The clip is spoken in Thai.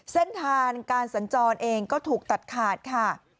เส้นทางการสัญจรเองก็ถูกตัดขาดค่ะ